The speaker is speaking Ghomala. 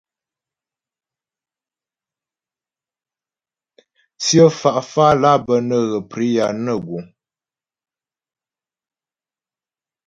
Tsyə fá fálà bə́ nə́ ghə priyà nə guŋ.